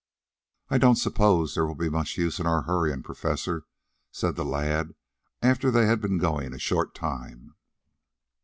"I don't suppose there will be much use in our hurrying, Professor," said the lad, after they had been going a short time.